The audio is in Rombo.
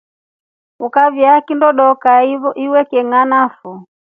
Ukayaa kindo doka ya iwe chenganafo.